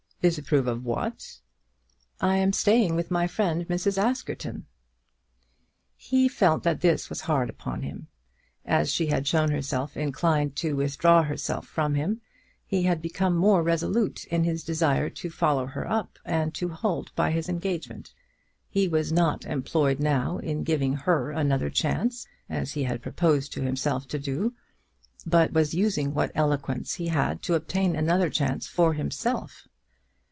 "Disapprove of what?" "I am staying with my friend, Mrs. Askerton." He felt that this was hard upon him. As she had shown herself inclined to withdraw herself from him, he had become more resolute in his desire to follow her up, and to hold by his engagement. He was not employed now in giving her another chance, as he had proposed to himself to do, but was using what eloquence he had to obtain another chance for himself.